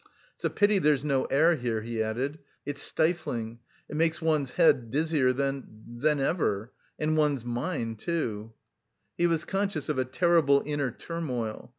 Hm... it's a pity there's no air here," he added, "it's stifling.... It makes one's head dizzier than ever... and one's mind too..." He was conscious of a terrible inner turmoil.